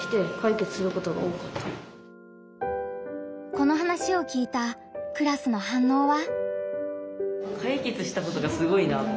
この話を聞いたクラスの反応は？